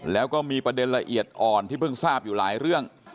แล้วก็มีประเด็นละเอียดอ่อนที่เพิ่งทราบอยู่หลายเรื่อง